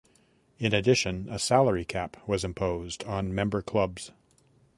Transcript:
In addition a salary cap was imposed on member clubs.